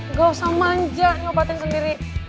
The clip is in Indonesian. nggak usah manja ngobatin sendiri